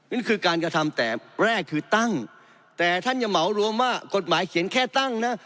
นั่นคือการกระทำแต่แรกคือตั้งแต่ท่านอย่าเหมารวมว่ากฎหมายเขียนแค่ตั้งนะ